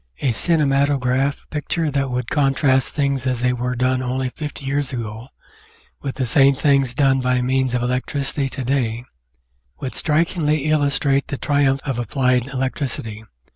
A cinematograph picture that would contrast things as they were done only fifty years ago, with the same things done by means of electricity to day, would strikingly illustrate the triumphs of applied electricity.